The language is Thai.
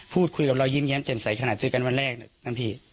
พูดคุยกับเรายิ้มแย้มแจ่มใสขนาดเจอกันวันแรกนะพี่